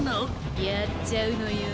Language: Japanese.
やっちゃうのよ。